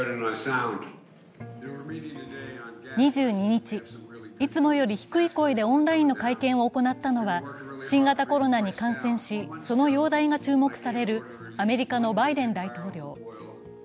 ２２日、いつもより低い声でオンラインの会見を行ったのは、新型コロナに感染し、その容体が注目されるアメリカのバイデン大統領。